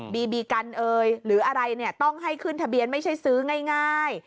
บีบีกันเอ่ยหรืออะไรเนี่ยต้องให้ขึ้นทะเบียนไม่ใช่ซื้อง่าย